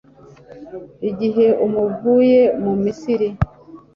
igihe muvuye mu misiri